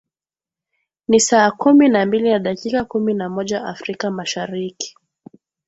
ni saa kumi na mbili na dakika kumi na moja afrika mashariki